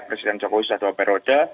presiden jokowi sudah dua periode